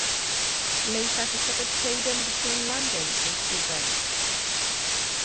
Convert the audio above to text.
Later she started trading between London and Quebec.